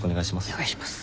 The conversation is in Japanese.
お願いします。